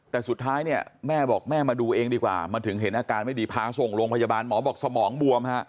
แต่สุดท้ายเนี่ยแม่บอกแม่มาดูเองดีกว่ามาถึงเห็นอาการไม่ดีพาส่งโรงพยาบาลหมอบอกสมองบวมฮะ